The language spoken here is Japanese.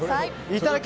いただき！